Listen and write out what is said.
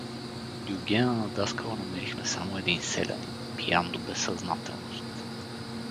В дюгена на Даскала намерихме само един селянин, пиян до безсъзнателност.